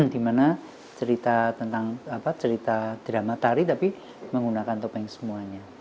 di mana cerita tentang drama tari tapi menggunakan topeng semuanya